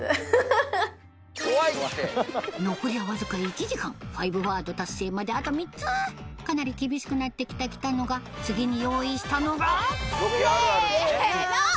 残りはわずか１時間５ワード達成まであと３つかなり厳しくなって来た北乃が次に用意したのがせの。